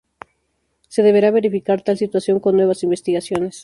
Se deberá verificar tal situación con nuevas investigaciones.